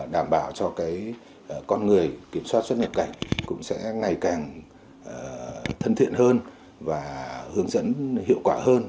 đảm bảo cho con người kiểm soát xuất nhập cảnh cũng sẽ ngày càng thân thiện hơn và hướng dẫn hiệu quả hơn